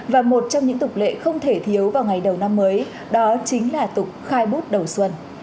và một trong những tục lệ không thể thiếu vào ngày đầu năm mới đó chính là tục khai bút đầu xuân